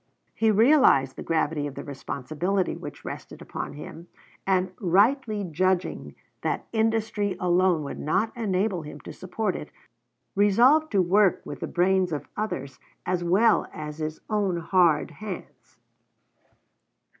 He realized the gravity of the responsibility which rested upon him, and rightly judging that industry alone would not enable him to support it, resolved to work with the brains of others as well as his own hard hands.